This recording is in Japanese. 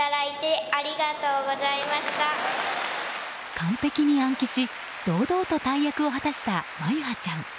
完璧に暗記し、堂々と大役を果たした眞結羽ちゃん。